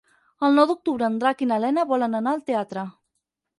El nou d'octubre en Drac i na Lena volen anar al teatre.